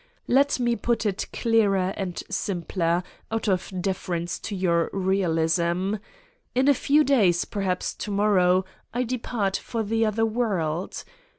Let me put it clearer and simpler, out of defer ence to your realism: in a few days, perhaps to morrow, I depart for the other world.